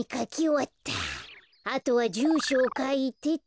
あとはじゅうしょをかいてと。